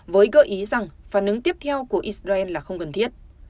với gợi ý rằng phản ứng tiếp theo của israel là không cần thiết